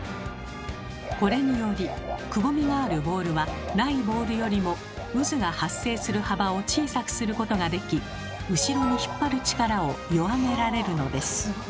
これによりくぼみがあるボールはないボールよりも渦が発生する幅を小さくすることができ後ろに引っ張る力を弱められるのです。